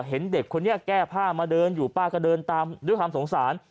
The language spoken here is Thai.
เห็นเด็กคนนี้แก้ผ้ามาเดินอยู่ป้าก็เดินตามด้วยความสงสาร